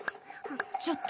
ちょっと。